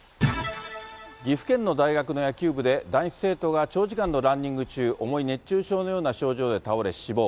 岐阜県の大学の野球部で、男子生徒が長時間のランニング中、重い熱中症のような症状で倒れ、死亡。